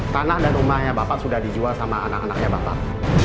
tanah dan rumahnya bapak sudah dijual sama anak anaknya bapak